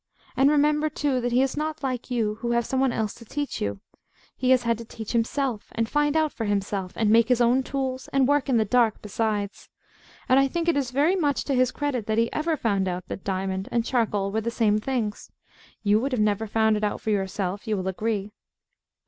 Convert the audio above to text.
And remember, too, that he is not like you, who have some one else to teach you. He has had to teach himself, and find out for himself, and make his own tools, and work in the dark besides. And I think it is very much to his credit that he ever found out that diamond and charcoal were the same things. You would never have found it out for yourself, you will agree.